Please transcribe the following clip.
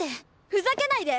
ふざけないで！